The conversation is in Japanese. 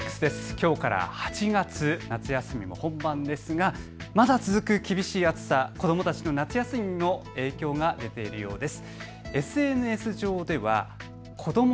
きょうから８月、夏休みも本番ですがまだ続く厳しい暑さ、子どもたちの夏休みにも影響が出ているようです。